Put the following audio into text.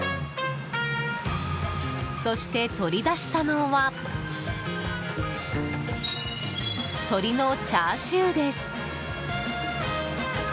そして、取り出したのは鶏のチャーシューです。